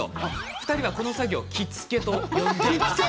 ２人はこのことを着付けと呼んでいます。